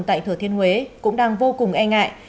tại thừa thiên huế cũng đang vô cùng e ngại